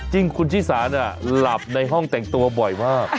จริงคุณชิสาน่ะหลับในห้องแต่งตัวบ่อยมาก